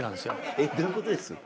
えっどういうことです？